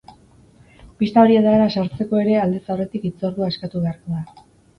Pista horietara sartzeko ere aldez aurretik hitzordua eskatu beharko da.